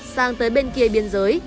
sang tới bên kia biên giới